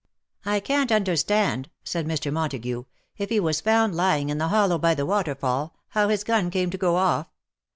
I can't understand/^ said Mr. Montagu, '^ if he was found lying in the hollow by the waterfall, how his gun came to go ofiP.